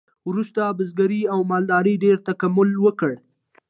وروسته بزګرۍ او مالدارۍ ډیر تکامل وکړ.